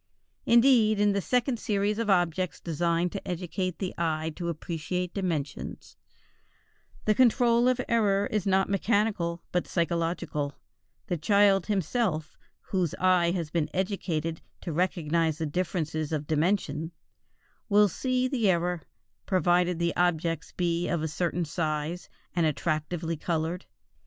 Indeed in the second series of objects designed to educate the eye to appreciate dimensions, the control of error is not mechanical, but psychological; the child himself, whose eye has been educated to recognize differences of dimension, will see the error, provided the objects be of a certain size and attractively colored.